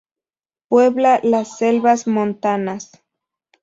Puebla las selvas montanas.